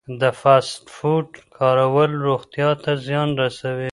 د فاسټ فوډ کارول روغتیا ته زیان رسوي.